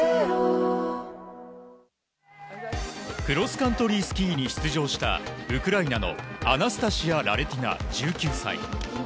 クロスカントリースキーに出場したウクライナのアナスタシヤ・ラレティナ、１９歳。